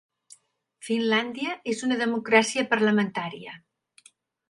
Finlàndia és una democràcia parlamentària.